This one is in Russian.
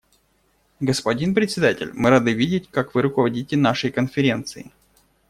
Господин Председатель, мы рады видеть, как вы руководите нашей Конференцией.